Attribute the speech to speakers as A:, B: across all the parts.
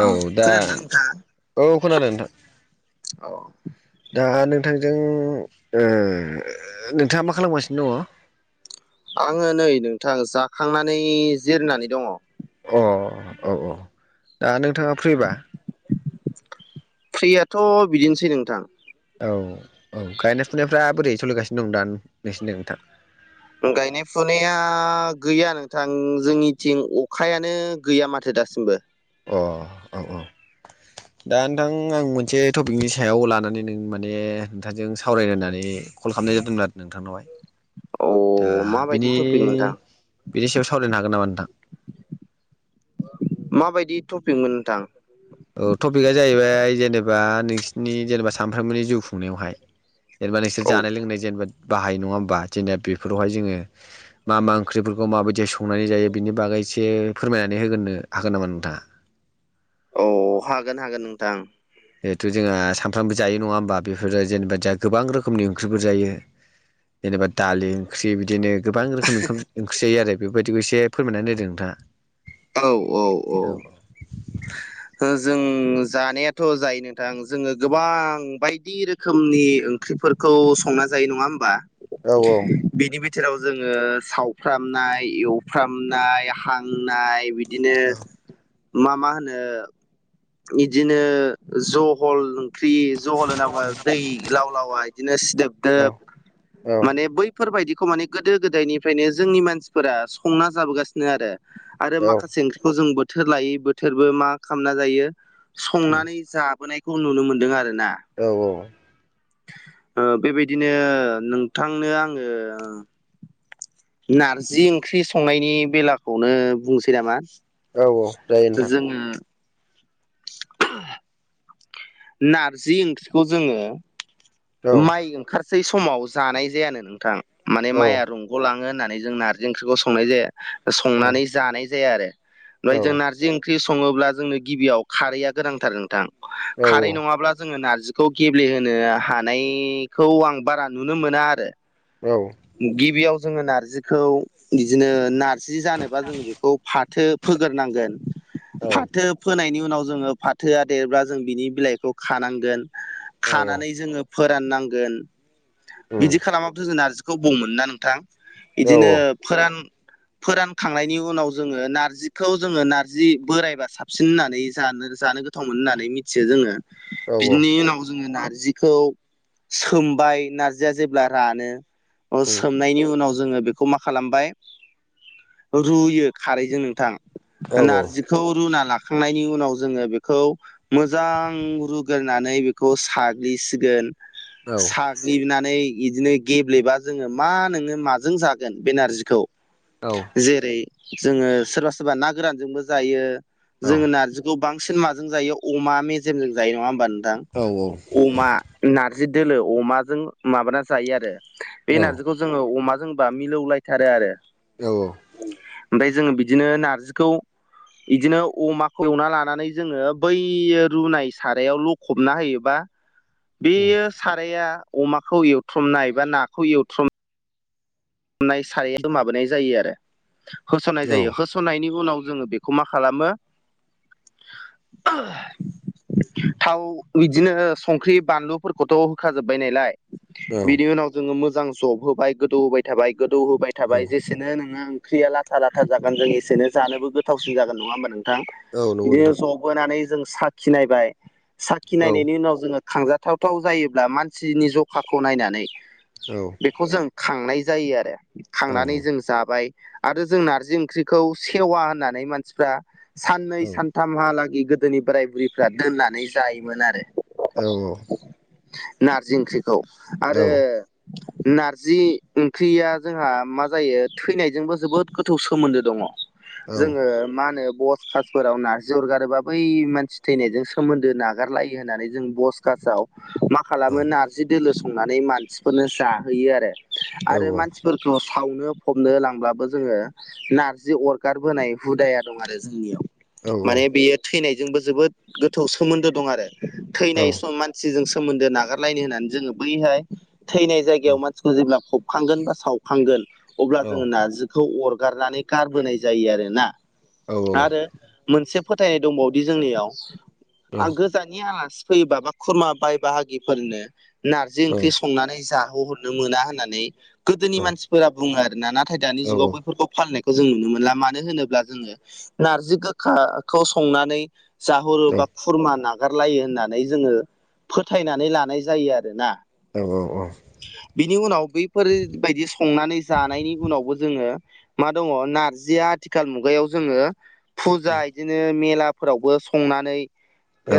A: अ
B: औ दा
A: खोनादोंना नोंथाङा?
B: औ खोनादों नोंथां
A: औ
B: दा नोंथांजों नोंथाङा मा खालामगासिनो दङ
A: आङो नै नोंथां जाखांनानै जिरनानै दङ
B: अ औ औ दा नोंथाङा फ्रिबा
A: फ्रियाथ' बिदिनोसै नोंथां
B: औ औ गायनाय फुनायफ्रा बोरै सोलिगासिनो दं दा नोंसिनिथिं नोंथां
A: गायनाय फुनाया गैया नोंथां जोंनिथिं अखायानो गैया माथो दासिमबो
B: अ औ औ दा नोंथां आं मोनसे टपिकनि सायाव लानानै नों माने नोंथांजों सावरायलायनानै कल खालामनाय जादोंमोन आरो नोंथांनावहाय
A: औ
B: दा
A: माबायदि
B: बिनि
A: टपिक नोंथां
B: बिनि सायाव सावरायनो हागोन नामा नोंथां
A: माबायदि टपिकमोन नोंथां
B: औ टपिकआ जाहैबाय जेनेबा नोंसिनि जेनेबा सानफ्रोमबोनि जिउ खुंनायावहाय जेनेबा नोंसोर
A: औ
B: जानाय लोंनाय जेनेबा बाहायो नङा होमबा जेनेबा बेफोरावहाय जोङो मा मा ओंख्रिफोरखौ माबायदि संनानै जायो बिनि बागै एसे फोरमायनानै होगोनो हागोन नामा नोंथाङा
A: औ हागोन हागोन नोंथां
B: जिहेथु जोंहा सानफ्रामबो जायो नङा होमबा बेफोरो जेनेबा जोंहा गोबां रोखोमनि ओंख्रिफोर जायो जेनेबा दालि ओंख्रि बिदिनो गोबां रोखोम ओंख्रि जायो आरो बेबायदिखौ एसे फोरमायनानै होदों नोंथाङा
A: औ औ औ
B: [inaudible]
A: जों जानायाथ' जायो नोंथां जोङो गोबां बायदि रोखोम रोखोमनि ओंख्रिफोरखौ संना जायो नङा होमबा
B: औ
A: बिनि बिथोराव जोङो सावफ्रामनाय एवफ्रामनाय हांनाय बि बिदिनो मा मा होनो इदिनो जहल फख्रि जहल होन नामो दै लाव लावा बिदिनो
B: औ
A: सिदोबदोब
B: औ
A: माने बै बेफोरबायदिखौ माने गोदो गोदायनिफ्रायनो जोंनि मानसिफोरा संना जाबोगासिनो आरो आरो
B: औ
A: माखासे ओंख्रिखौ जों बोथोर लायै बोथोर मा खालामना जायो संनानै जाबोनायखौ जों खौ नुनो मोन्दों आरोना
B: औ औ
A: बेबायदिनो नोंथांनो आङो नारजि ओंख्रि संनायनि बेलाखौनो बुंसै नामा
B: औ औ जायो नोंथां
A: जोङो [inaudible] नारजि ओंख्रिखौ जोङो
B: औ
A: माइ ओंखारसै समाव जानाय जायानो नोंथां माने
B: औ
A: माइआ रंग'लाङो होननानै जों नारजि ओंख्रिखौ संनाय जाया
B: औ
A: संनानै जानाय जाया आरो
B: औ
A: ओमफ्राय जोंना नारजि ओंख्रै सङोब्ला जोंनो गिबियाव खारैया गोनांथार नोंथां
B: औ
A: खारै नङाब्ला जोङो नारजि खौ गेब्लेहोनो हानायखौ आं बारा नुनो मोना आरो
B: औ
A: गिबियाव जोङो नारजिखौ बिदिनो नार्जि जानोबा जोङो बेखौ फाथो फोगोरनांगोन फाथो फोनायनि उनाव जोङो फाथोआ देरब्ला जों बिनि बिलाइखौ खानांगोन
B: औ
A: खानानै जोङो फोराननांगोन
B: औ
A: बिदि खालामाबाथ जों नारजिखौ बबाव मोननो ना नोंथां
B: औ
A: इदिनो
B: औ
A: फोरान फोरानखांनायनि उनाव जोङो नारजिखौ जोङो नार्जि बोरायबा साबसिन होननानै जानो जानो गोथाव होननानै मिथियो जोङो
B: औ उम औ उम
A: बिनि उनाव जोङो नारजि खौ सोमबाय नारजिया जेब्ला रानो सो नायनि उनाव जोङो बेखौ मा खालामबाय रुयो खारैजों नोंथां नारजिखौ रुना लाखांनायनि उनाव जोङो बेखौ मोजां रुग्रोनानै बेखौ साग्लिसिगोन साग्लिनानै बिदिनो गेब्लेबा जोङो मा नोङो माजों जागोन बेनारजिखौ
B: औ
A: जेरै जोङो सोरबा सोरबा ना गोरानजोंबो जायो जोङो नारजि गो बांसिन माजों जायो अमा मेजेमजों जायो नङा होमबा नोंथां
B: औ औ
A: अमा नारजि दोलो अमाजों माबाना जायो आरो बे
B: औ
A: नारजिखौ जोङो अमा जोंबा मिलौलायथारो आरो
B: औ
A: ओमफ्राय जोङो बिदिनो नारजिखौ बिदिनो अमाखौ एवना लानानै जोङो बै रुनाय सारायाव लखबना होयोबा
B: [inaudible]
A: बेयो साराया अमाखौ एवथ्रमनाय बा नाखौ एवथ्रमनाय नाय सार माबाय जायो आरो होसननाय जायो हो सनायनि उनाव जोङो बेखौ मा खालामो थाव बिदिनो संख्रि बानलुफोरखौथ' होखाजोबबाय नालाय
B: औ औ
A: बिनि उनाव जोङो मोजां जब होबाय गोदौ होबाय थाबाय गोदौ होबाय थाबाय जेसे एसेनो नोङो ओंख्रिया लाथा लाथा जागोन जों एसेनो जानोबो गोथावसिन जागोन नङा होमबा नोंथां
B: नंगौ
A: बिदिनो
B: नोंथां
A: जबहोनानै जों साखिनायबाय
B: औ
A: साखिनायनायनि उनाव जोङो खांजाथ थावथाव जायोब्ला मानसिनि जखाखौ नायनानै
B: औ
A: बेखौ जों खांनाय जायो आरो
B: औ
A: खांनानै जों जाबाय आरो जों नारजि ओंख्रिखौ सेवा होननानै मानसिफ्रा साननै सान थामहालागि गोदोनि बोराय बुरिफ्रा दोननानै जायोमोन आरो
B: औ औ
A: नारजि ओंख्रिखौ आरो नारजि ख्रिया जोंहा मा जायो थैनायजोंबो जोबोद गोथौ सोमोन्दो दङ जोङो
B: औ
A: मा होनो ब कासफोराव नारजि अरगारोबा बै मानसि थैनायजों सोमोन्दो नागारलायो होननानै जों बस कासाव मा
B: [inaudible]
A: खालामो नारजि दोलो संनानै मानसिफोरनो जाहोयो आरो आरो मानसि फोरखौ सावनो फबनो लांब्लाबो जोङो नारजि अरगारबोनाय हुदाया दं आरो जोंनियाव माने बेयो थैनायजोंबो जोबोद गोथौ सोमोन्दो दं आरो थैनाय समानसि जों सोमोन्दो नागारलायनो होननानै जोङो बैहाय थैनाय जायगायाव मानसिखौ जेब्ला खांगोन बा सावखांगोन अब्ला जोङो नार्जिखौ अरगारनानै गारबोनाय जायो आरोना आरो मोनसे फोथायनाय दंबावदि जोंनियाव फजानि आलासि फैयोबा बा खुरमा बाय बाहागिफोरनो नारजि ओंख्रि संनानै जाहोहर मोना होननानै गोदोनि मानसिफोरा बुङो आरोना नाथाय दानि जुगाव बैफोरखौ फालिनायखौ जों नुनो मोनला मानो होनोब्ला जोङो नारजि गोखाखौ संनानै जाहरो बा खुरमा ना रलायो होननानै जोङो फोथायनानै लानाय जायो आरोना
B: औ औ औ
A: बिनि उनाव बैफोरबायदि संनानै जानायनि उनावबो जोङो मा दङ नारजिया आथिखाल मुगायाव जोङो फुजा बिदिनो मेलाफोरावबो संनानै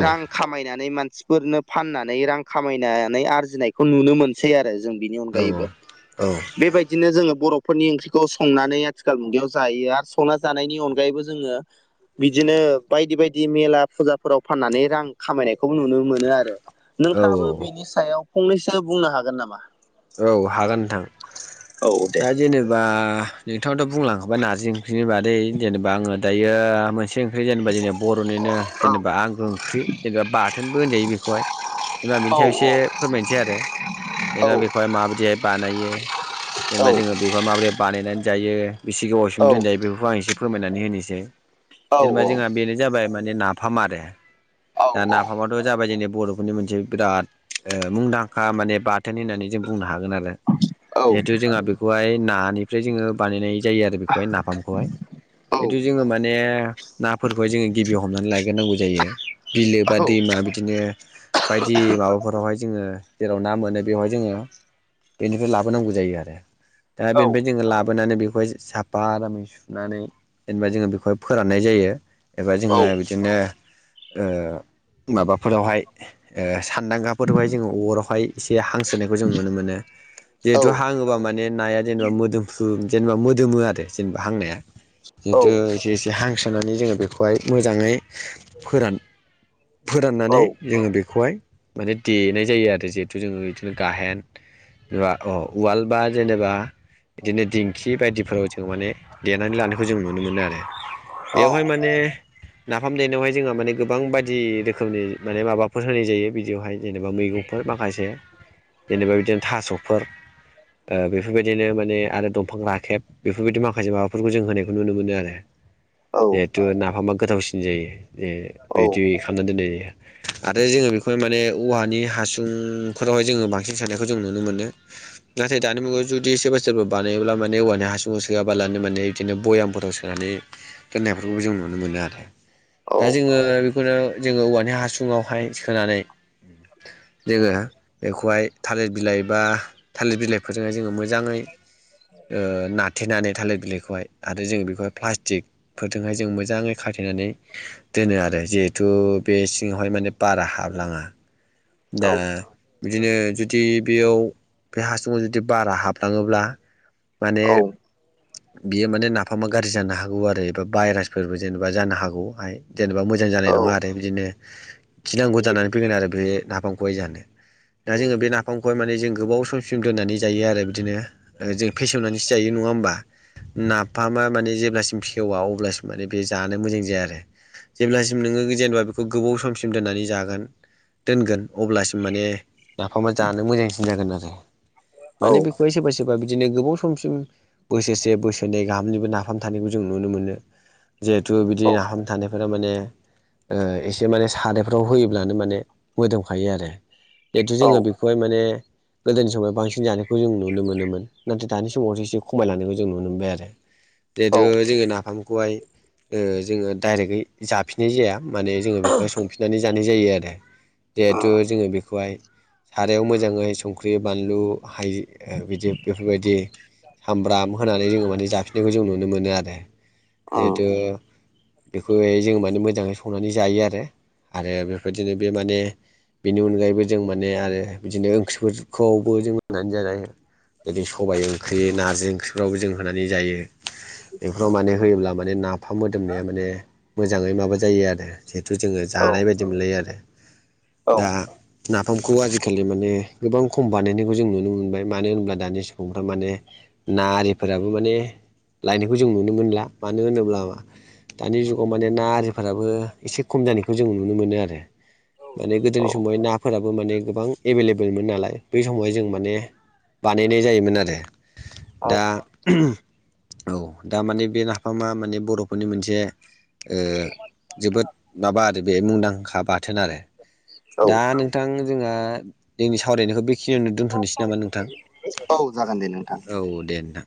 A: रां खामायनानै मानसिफोरनो फाननानै रां खामायनानै आरजिनायखौ नुनो मोनो सै आरो जों बिनि अनगायैबो
B: औ
A: बेबायदिनो जोङो बर'फोरनि ओंख्रिखौ संनानै आथिखाल मुगायाव जायो आरो संना जानायनि अनगायैबो जोङो बिदिनो बायदि बायदि मेला फुजाफोराव फाननानै रां खामायनायखौ नुनो मोनो आरो नोंथाङाबो बेनि सायाव फंनैसो बुंनो हागोन नामा
B: औ हागोन नोंथां
A: औ दे
B: दा जेनेबा नोंथाङाथ' बुंलांखोबाय नारजि ओंख्रिनि बादै जेनेबा आङो दायो मोनसे ओंख्रि जेनेबा जेन बर'निनो
A: औ
B: जेनेबा आंगो ओंख्रि जेनेबा बाथोनबो होनजायो बेखौहाय जेनेबा बिनि
A: औ
B: सायाव एसे फोरमायनोसै आरो जेनेबा बेखौ माबायदिहाय बानायो जेनेबा जों बेखौ माबोरै बानायनानै जायो बेसे गोबावसिम दोनजायो बेफोरखौ आं एसे फोरमायनानै होनोसै जेनेबा जोंहा बेनो जाबाय माने नाफाम आरो दा नाफाम आफामाथ' जाबाय जोंनि बर'फोरनि मोनसे बिराद मुंदांखा माने बाथोन होननानै जों बुंनो हागोन जों बेखौहाय ओमफ्राय जोङो बानायनाय जायो आरो बेखौहाय नाफामखौहाय जेथु जोङो माने नाफोरखौहाय जोङो गिबियाव हमनानै लायग्रोनांगौ जायो बिलो बा दैमा बिदिनो बायदि माबाफोरावहाय जोङो जेराव ना मोनो बेवहाय जोङो बेनिफ्राय लाबोनांगौ जायो आरो दा बेनिफ्राय जोङो लाबोनानै बेखौहाय साफा आरामै सुनानै जेनेबा जोङो बेखौहाय फोराननाय जायो एबा जोङो बिदिनो माबाफोरावहाय सान्दांगाफोरावहाय जोङो अरावहाय एसे हांसोनायखौ जों नुनो मोनो जेहेतु हाङोबा माने नाया जेनेबा मोदोमफ्रु जेनेबा मोदोमो आरो जेनेबा हांनाया जेतु एसे एसे हांसोनानै जोङो बेखौहाय मोजाङै फोरान फोराननानै जोङो बेखौहाय माने देनाय जायो आरो जिहेतु जोङो बिदिनो गाहेन बा अ उवाल बा जेनेबा बिदिनो दिंखि बायदिफोराव जों माने देनानै लानायखौ जों नुनो मोनो आरो बेवहाय माने नाफाम देनायावहाय जोंहा माने गोबां बायदि रोखोमनि माने माबाफोर होनाय जायो बिदियावहाय जेनेबा मैगंफोर माखासे जेनेबा बिदिनो थास'फोर बेफोरबायदिनो माने आरो दंफां राखेब बेफोरबायदि माखासे माबाफोरखौ जों होनायखौ नुनो मोनो आरो जिहेथु नाफामा गोथावसिन जायो जे बिदि नानै दोननाय आरो जोङो बेखौहाय माने औवानि हासुंफोरावहाय जोङो बांसिन हारसिं सानायनायखौ जों नुनो मोनो नाथाय दानि मुगायाव जुदि सोरबा सोरबा बानायोब्ला माने औवानि हासुङ सोआबालानो माने बिदिनो भयाम फोथाव सोनानै दोननायफोरखौबो जों नुनो मोनो आरो दा जोङो बेखौनो जोङो औवानि हासु ङावहाय सोनानै जोङो बेखौहाय थालिर बिलाइ बा थालिर बिलाइफोरजोंहाय जोङो मोजाङै नाथेनानै थालिर बिलाइखौहाय आरो जों बेखौहाय प्लास्टिक फोरजोंहाय जों मोजाङै खाथनानै दोनो आरो जिहेथु बे सिङावहाय माने बारा हाब हाबलाङा दा बिदिनो जुदि बेयाव बे हासुुंखौ जुदि बारा हाबलाङोब्ला माने बियो माने नाफामा गाज्रि जानो हागौ आरो एबा भाइरासफोरबो जेनेबा जानो हागौहाय जेनेबा मोजां जानाय नङा आरो बिदिनो खिनांगौ जानानै फैगोन आरो बे नाफामखौहाय जानो। दा जोङो बे नाफामखौहाय माने जों गोबाव समसिम दोननानै जायो आरो बिदिनो जों फेसवनानैसो जायो नङा होमबा? नाफामा माने जेब्लासिम फेवा अब्लासिम माने बे जानो मोजां जाया आरो। जेब्लासिम नोङो जेनेबा बेखौ गोबाव समसिम दोननानै जागोन। दोनगोन अब्लासिम माने नाफामा जानो मोजांसिन जागोन आरो माने बेखौ सोरबा सोरबा बिदिनो गोबाव समसिम बोसोरसे बोसोरनै गाहामनिबो नाफाम थानायखौ जों नुनो मोनो। जिहेथु बिदि नाफाम थानायफोरा माने ओ एसे माने सारफ्राव होयोब्लानो माने मोदोमखायो आरो जिहेथु जोङो बे माने गोदोनि समाव बांसिन जानायखौ जों नुनो मोनोमोन नाथाय दानि समावसो एसे खमायलांनायनायखौ जों नुनो मोनबाय आरो। बेेथ' जोङो नाफामखौहाय जोङो डाइरेक्टै जाफिननाय जाया माने जोङो बेखौहाय संफिननानै जानाय जायो आरो। जिहेथु जोङो बेखौहाय सारायाव मोजाङै संख्रि बानलु हायो बिदि बेफोरबायदि सामब्राम होनानै जोङो माने जाफिनायखौ जों नुनो मोनो आरो जिहेथु बेखौहाय जों माने मोजाङै संनानै जायो आरो आरो बेबायदिनो बे माने बेनि अनगायैबो जों माने आरो बिदिनो ओंख्रिफोरखौबो जों मोननानै जानाय जदि सबाइ ओंख्रि नारजि ओंख्रिफ्रावबो जों होनानै जायो। बेफोराव माने होयोब्ला माने नाफाम मोदोमनाया माने मोजाङै माबा जायो आरो जिहेथु जोङो जानाय बायदि मोनलायो आरो दा नाफामखौ आजिखालि माने गोबां खम बानायनायखौ जों नुनो मोनबाय मानो होनब्ला दानि सुबुंफ्रा माने ना आरिफोराबो माने लायनायखौ जों नुनो मोनला मानो होनोब्ला दानि जुगाव माने ना आरिफोराबो एसे खम जानायखौ जों नुनो मोनो आरो। माने गोदोनि समावहाय नाफोराबो माने गोबां एभेलेबेलमोन नालाय बै समावहाय जों माने बानायनाय जायोमोन आरो दा औ दामाने बे नाफामा माने बर'फोरनि मोनसे ओ जोबोद माबा आरो बे मुंदांखा बाथोन आरो दा नोंथां जोंहा जोंनि सावरायनायखौ बेखिनियावनो दोनथ'नोसै नामा नोंथां?
A: औ जागोन दे नोंथां
B: औ दे नोंथां